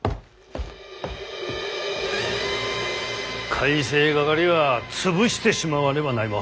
改正掛は潰してしまわねばないもはん。